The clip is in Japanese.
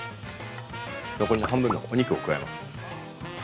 残り半分のお肉を加えます。